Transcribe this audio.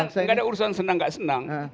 enggak ada urusan senang enggak senang